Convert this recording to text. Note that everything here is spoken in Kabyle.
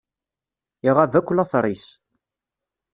Iɣab akk later-is.